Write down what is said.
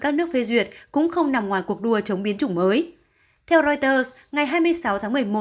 các nước phê duyệt cũng không nằm ngoài cuộc đua chống biến chủng mới theo reuters ngày hai mươi sáu tháng